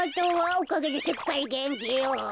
おかげですっかりげんきよ。